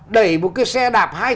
đẩy một cái xe đạp